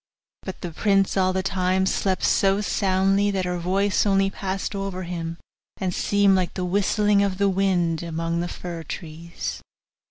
But the prince all the time slept so soundly, that her voice only passed over him, and seemed like the whistling of the wind among the fir trees.